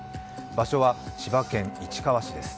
場所は、千葉県市川市です。